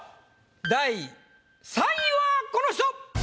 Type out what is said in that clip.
第３位はこの人！